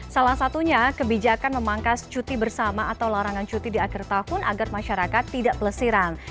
salah satunya kebijakan memangkas cuti bersama atau larangan cuti di akhir tahun agar masyarakat tidak pelesiran